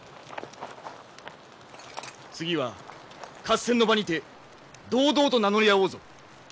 次は合戦の場にて堂々と名乗り合おうぞ。